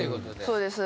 そうです。